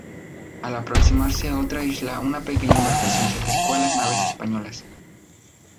Al aproximarse a otra isla, una pequeña embarcación se acercó a las naves españolas.